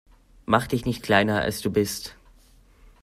Mach dich nicht kleiner, als du bist.